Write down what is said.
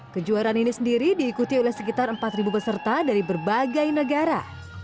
kejuaraan ini sendiri diikuti oleh sekitar empat peserta dari berbagai negara